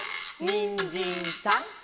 「にんじんさん」